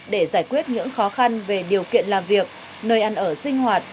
để giải quyết những khó khăn về điều kiện làm việc nơi ăn ở sinh hoạt